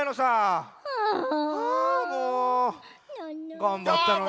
がんばったのに。